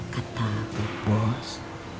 kata aku bos